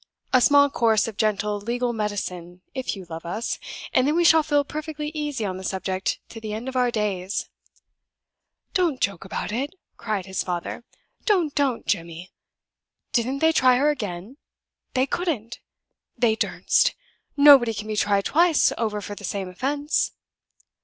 A small course of gentle legal medicine, if you love us, and then we shall feel perfectly easy on the subject to the end of our days." "Don't joke about it!" cried his father. "Don't, don't, don't, Jemmy! Did they try her again? They couldn't! They durs'n't! Nobody can be tried twice over for the same offense."